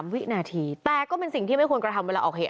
วินาทีแต่ก็เป็นสิ่งที่ไม่ควรกระทำเวลาออกเหตุ